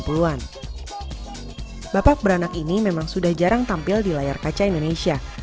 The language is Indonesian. bapak beranak ini memang sudah jarang tampil di layar kaca indonesia